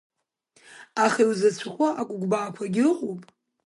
Аха иузицәахо акәыкәбаақәагьы ыҟоуп.